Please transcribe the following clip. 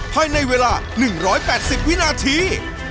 ภายในเวลา๑๘๐วินาที